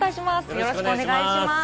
よろしくお願いします。